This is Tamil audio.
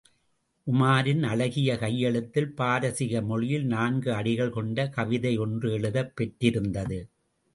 உமாரின் அழகிய கையெழுத்தில், பாரசீகமொழியில் நான்கு அடிகள் கொண்டு கவிதை ஒன்று எழுதப் பெற்றிருந்தது.